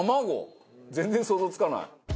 全然想像つかない。